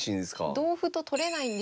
同歩と取れないんですよ。